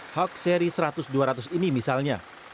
hawk seri seratus dua ratus ini misalnya